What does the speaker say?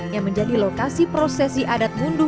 yang menjadi lokasi prosesi adat mundu